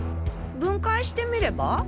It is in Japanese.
分解してみれば？